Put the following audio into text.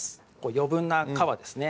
余分な皮ですね